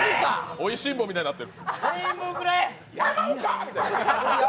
「美味しんぼ」みたいになってる。